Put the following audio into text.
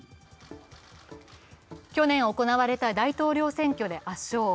去年行われた大統領選挙で圧勝。